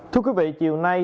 thưa quý vị chiều nay